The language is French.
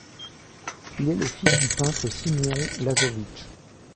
Il est le fils du peintre Simeon Lazović.